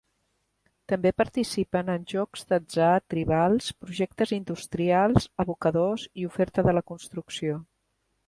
També participen en jocs d'atzar tribals, projectes industrials, abocadors i oferta de la construcció.